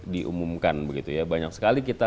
diumumkan begitu ya banyak sekali kita